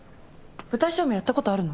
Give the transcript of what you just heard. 舞台照明やったことあるの？